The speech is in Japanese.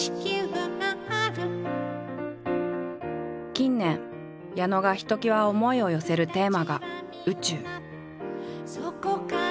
近年矢野がひときわ思いを寄せるテーマが「宇宙」。